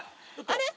あれ？